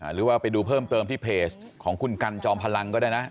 หรือว่าไปดูเพิ่มเติมที่เพจของคุณกันจอมพลังก็ได้นะ